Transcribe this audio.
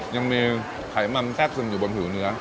ยังมีไขมันแทรกซึมอยู่บนผิวเนื้อ